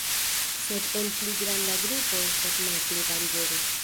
Sed en pli granda grupo estas malpli danĝere.